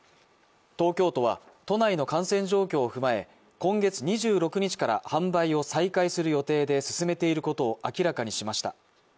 東京都は都内の感染状況を踏まえ今月２６日から販売を再開する予定で進めていることを明らかにしました。